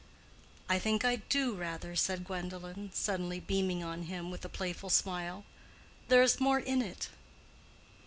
"I think I do, rather," said Gwendolen, suddenly beaming on him with a playful smile. "There is more in it."